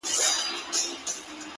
داسي نه كړو;